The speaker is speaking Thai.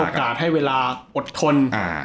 ให้โอกาสให้เวลาอดทน